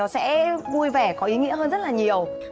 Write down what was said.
sẽ vui vẻ có ý nghĩa hơn rất là nhiều